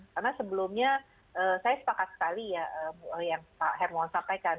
karena sebelumnya saya sepakat sekali ya yang pak hermon sampaikan